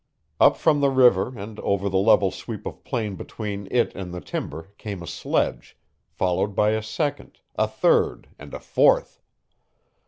Up from the river and over the level sweep of plain between it and the timber came a sledge, followed by a second, a third, and a fourth.